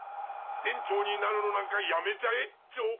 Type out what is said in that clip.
店長になるのなんかやめちゃえッチョ。